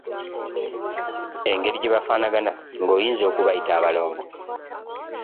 Engeri gye bafaanagana n'oyinza okubayita abalongo..